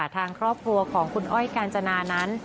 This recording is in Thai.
ทางครอบครัวของคุณอ้อยกาญจนานั้น